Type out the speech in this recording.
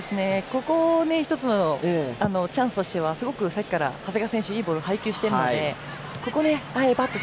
１つのチャンスとしてはすごく、さっきから長谷川選手がいいボールを配球しているので。